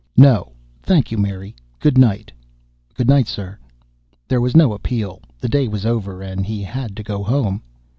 "No, thank you, Mary. Good night." "Good night, sir." There was no appeal. The day was over, and he had to go home.